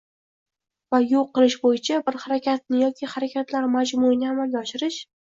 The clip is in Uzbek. va yo‘q qilish bo‘yicha bir harakatni yoki harakatlar majmuini amalga oshirish;